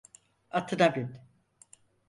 Atına bin.